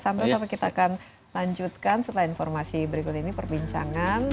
sampai sampai kita akan lanjutkan setelah informasi berikut ini perbincangan